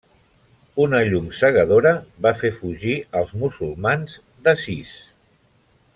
Una llum cegadora va fer fugir als musulmans d'Assís.